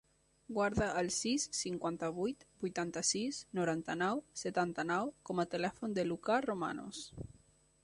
Guarda el sis, cinquanta-vuit, vuitanta-sis, noranta-nou, setanta-nou com a telèfon del Lucà Romanos.